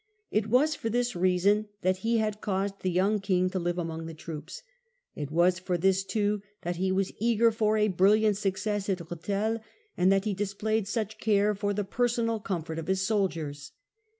It was for this reason that he had caused the young King to live among the troops. It was for this, too, that he was eager for a brilliant success at Rethel, and that he displayed such care for the personal comfort of his soldiers.